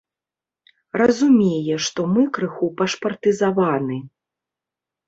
Разумее, што мы крыху пашпартызаваны.